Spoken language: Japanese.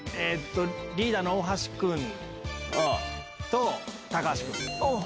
リーダーの大橋君と高橋君。